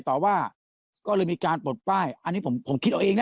ต่อว่าก็เลยมีการปลดป้ายอันนี้ผมคิดเอาเองนะ